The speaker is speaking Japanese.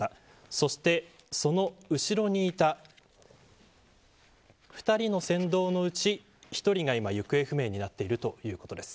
そして、その後ろにいた２人の船頭のうち１人が今行方不明になっているということです。